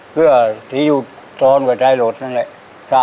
คือที่อยู่ซ่อนกว่าใจรถนั่นแหละ